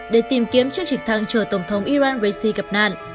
để tìm kiếm chiếc trực thăng chở tổng thống iran raisi gặp nạn